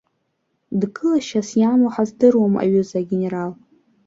Дкылашьас иамоу ҳаздыруам, аҩыза агенерал.